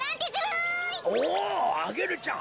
おっアゲルちゃん。